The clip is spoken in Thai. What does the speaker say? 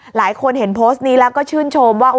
หลายคนเห็นโพสต์นี้แล้วก็ชื่นชมว่า